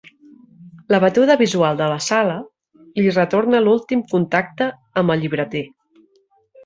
La batuda visual de la sala li retorna l'últim contacte amb el llibreter.